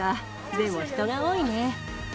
でも人が多いね。